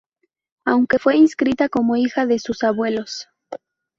Aunque fue inscrita como hija de sus abuelos.